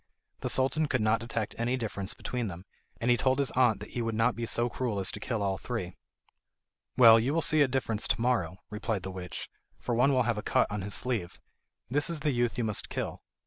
The Sultan could not detect any difference between them, and he told his aunt that he would not be so cruel as to kill all three. "Well, you will see a difference to morrow," replied the witch, "for one will have a cut on his sleeve. That is the youth you must kill."